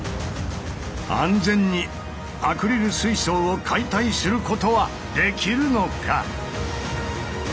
安全にアクリル水槽を解体することはできるのか。